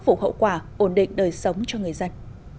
phục hậu quả ổn định đời sống cho người dân